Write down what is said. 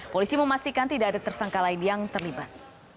polisi memastikan tidak ada tersangka lain yang terlibat